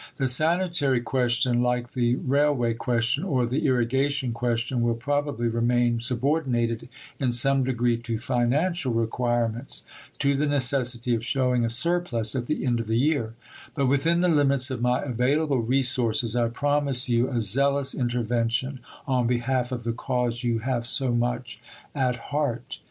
The Sanitary question like the railway question or the irrigation question will probably remain subordinated in some degree to financial requirements, to the necessity of shewing a surplus at the end of the year; but within the limits of my available resources I promise you a zealous intervention on behalf of the cause you have so much at heart.